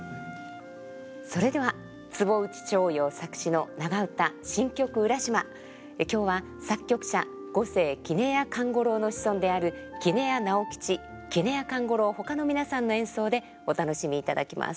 それでは坪内逍遙作詞の長唄「新曲浦島」今日は作曲者五世杵屋勘五郎の子孫である杵屋直杵屋勘五郎ほかの皆さんの演奏でお楽しみいただきます。